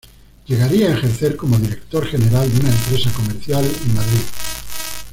Llegaría a ejercer como director general de una empresa comercial en Madrid.